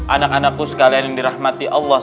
anak anakku sekalian yang dirahmati allah